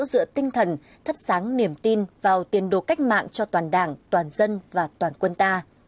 giữa tinh thần thắp sáng niềm tin vào tiền đồ cách mạng cho toàn đảng toàn dân và toàn quân ta